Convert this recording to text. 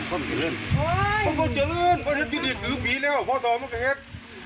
โอ้โหพ่อโทมก็เฮ็ด